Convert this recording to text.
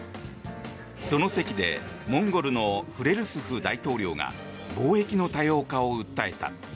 その席でモンゴルのフレルスフ大統領が貿易の多様化を訴えた。